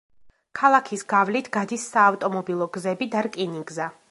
ქალაქის გავლით გადის საავტომობილო გზები და რკინიგზა.